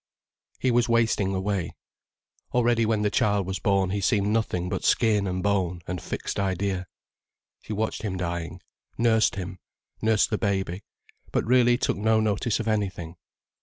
He was wasting away. Already when the child was born he seemed nothing but skin and bone and fixed idea. She watched him dying, nursed him, nursed the baby, but really took no notice of anything.